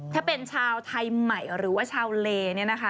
ถ้าเป็นชาวไทยใหม่หรือว่าชาวเลเนี่ยนะคะ